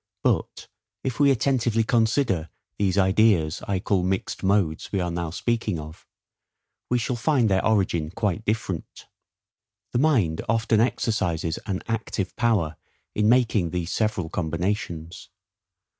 But if we attentively consider these ideas I call mixed modes, we are now speaking of, we shall find their origin quite different. The mind often exercises an ACTIVE power in making these several combinations.